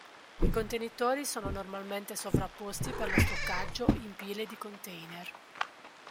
I contenitori sono normalmente sovrapposti per lo stoccaggio in pile di container.